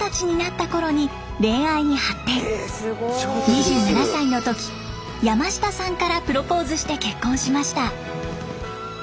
２７歳の時山下さんからプロポーズして結婚しました。